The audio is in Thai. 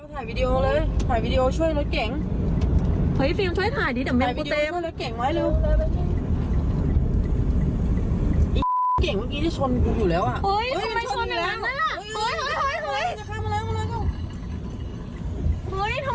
เฮ้ยโทรหาน้ำนวด